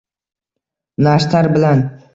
Nashtar bilan